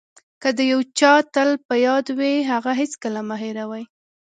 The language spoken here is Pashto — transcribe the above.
که د یو چا تل په یاد وئ هغه هېڅکله مه هیروئ.